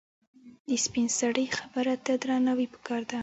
د سپینسرې خبره ته درناوی پکار دی.